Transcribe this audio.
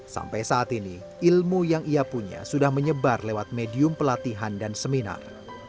sampai saat ini ilmu yang ia punya sudah menyebar lewat medium pelatihan dan seminar